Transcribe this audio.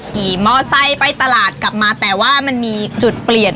ขี่มอไซค์ไปตลาดกลับมาแต่ว่ามันมีจุดเปลี่ยน